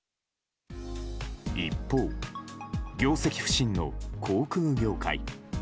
一方、業績不振の航空業界。